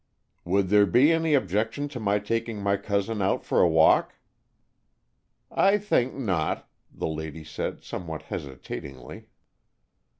"Would there be any objection to my taking my cousin out for a walk?" "I think not," the lady said, somewhat hesitatingly.